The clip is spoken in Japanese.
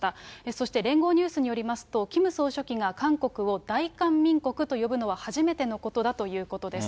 そして聯合ニュースによりますと、キム総書記が韓国を大韓民国と呼ぶのは初めてのことだということです。